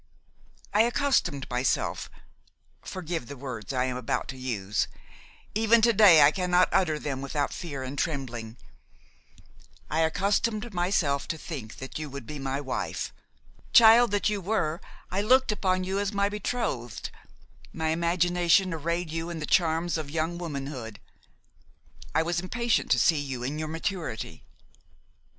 I accustomed myself–forgive the words I am about to use; even to day I cannot utter them without fear and trembling–I accustomed myself to think that you would be my wife; child that you were, I looked upon you as my betrothed; my imagination arrayed you in the charms of young womanhood; I was impatient to see you in your maturity.